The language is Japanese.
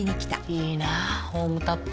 いいなホームタップ。